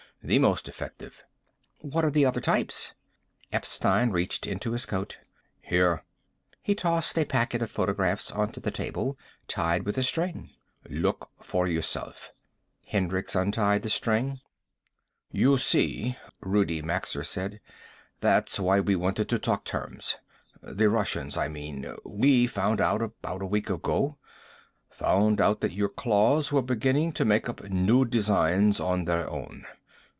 The most effective." "What are the other types?" Epstein reached into his coat. "Here." He tossed a packet of photographs onto the table, tied with a string. "Look for yourself." Hendricks untied the string. "You see," Rudi Maxer said, "that was why we wanted to talk terms. The Russians, I mean. We found out about a week ago. Found out that your claws were beginning to make up new designs on their own.